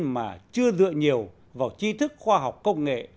mà chưa dựa nhiều vào chi thức khoa học công nghệ